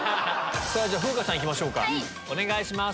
じゃ風花さんいきましょうかお願いします。